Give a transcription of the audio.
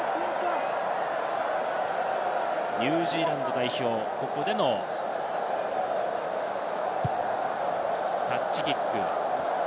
ニュージーランド代表、ここでのタッチキック。